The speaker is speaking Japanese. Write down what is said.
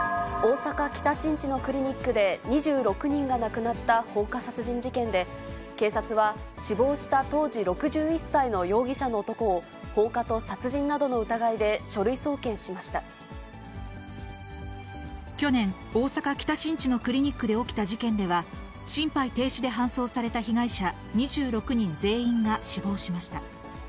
大阪・北新地のクリニックで２６人が亡くなった放火殺人事件で、警察は、死亡した当時６１歳の容疑者の男を放火と殺人などの疑いで書類送去年、大阪・北新地のクリニックで起きた事件では、心肺停止で搬送された被害者２６人全員が死亡しました。